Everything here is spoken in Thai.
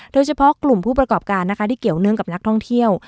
โดยเฉพาะกลุ่มผู้ประกอบการนะคะที่เกี่ยวเนื่องกับนักท่องเที่ยว